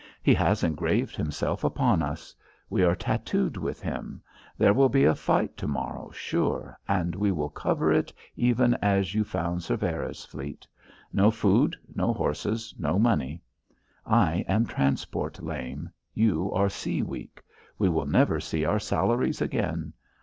He has engraved himself upon us. We are tattooed with him. There will be a fight to morrow, sure, and we will cover it even as you found Cervera's fleet. No food, no horses, no money. I am transport lame; you are sea weak. We will never see our salaries again.